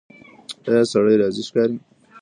ایا سړی راضي ښکاري؟